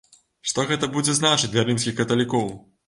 Што гэта будзе значыць для рымскіх каталікоў?